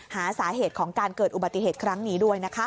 หาสาเหตุของการเกิดอุบัติเหตุครั้งนี้ด้วยนะคะ